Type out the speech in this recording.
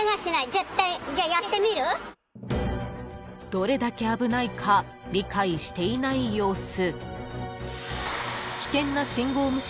［どれだけ危ないか理解していない様子］